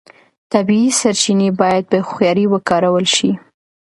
طبیعي سرچینې باید په هوښیارۍ وکارول شي.